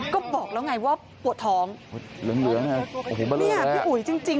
ก็บอกแล้วไงว่าปวดท้องหลืมเหลือนะฮะโอ้โหบรรยาแล้วนี่อ่ะพี่อุ๋ยจริงจริง